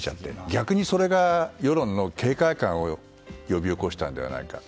逆にそれが世論の警戒感を呼び起こしたのではないか。